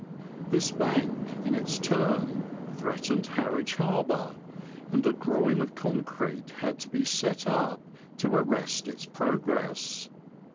This bank in its turn threatened Harwich Harbour, and a groyne of concrete had to be set up to arrest its progress.